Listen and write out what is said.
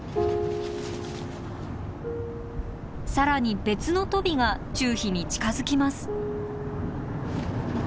更に別のトビがチュウヒに近づきます。